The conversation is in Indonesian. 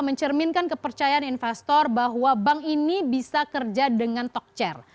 mencerminkan kepercayaan investor bahwa bank ini bisa kerja dengan talk chair